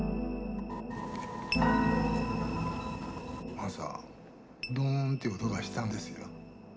朝ドンって音がしたんですよ。